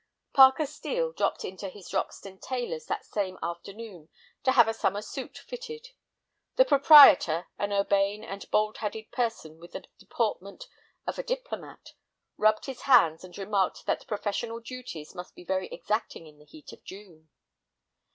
Parker Steel dropped into his Roxton tailor's that same afternoon to have a summer suit fitted. The proprietor, an urbane and bald headed person with the deportment of a diplomat, rubbed his hands and remarked that professional duties must be very exacting in the heat of June.